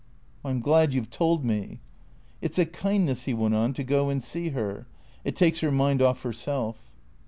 " I 'm glad you 've told me." " It 's a kindness," he went on, " to go and see her. It takes her mind off herself."